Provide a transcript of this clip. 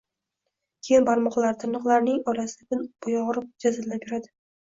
Keyin barmoqlari, tirnoqlarining orasi kun boʻyi ogʻrib, jazillab yuradi.